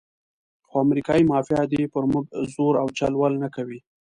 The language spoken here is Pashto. خو امریکایي مافیا دې پر موږ زور او چل ول نه کوي.